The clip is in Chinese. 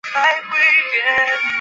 而师云砵桥一段为四线双程。